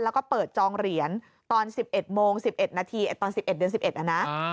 แล้วก็เปิดจองเหรียญตอน๑๑โมง๑๑นาทีตอน๑๑เดือน๑๑นะนะ